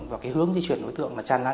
và hướng di chuyển đối tượng tràn lanh